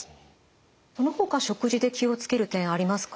そのほか食事で気を付ける点ありますか？